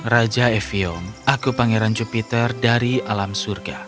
raja evium aku pangeran jupiter dari alam surga